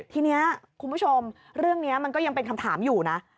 ทีนี้คุณผู้ชมเรื่องนี้มันก็ยังเป็นคำถามอยู่นะ